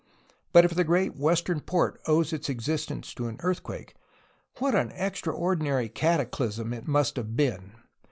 But if the great western port owes its existence to an earthquake, what an extraordinary cataclysm it must have been!